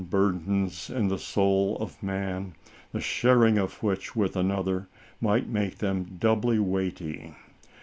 burdens in the soul of man, the sharing of which with another, might make them doubly weighty.